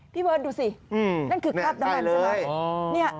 พี่เบิร์ตดูสินั่นคือคราบน้ำมันใช่ไหม